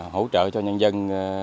hỗ trợ cho nhân dân